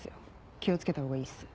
気を付けたほうがいいっす。